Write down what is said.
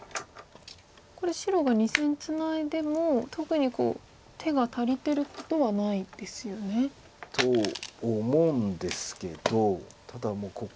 これ白が２線ツナいでも特に手が足りてることはないですよね。と思うんですけどただここは。